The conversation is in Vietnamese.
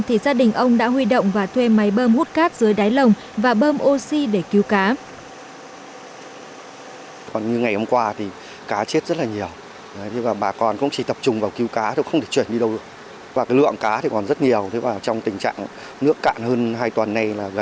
thì gia đình ông đã huy động và thuê máy bơm hút cát dưới đáy lồng và bơm oxy để cứu cá